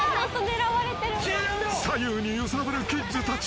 ［左右に揺さぶるキッズたち］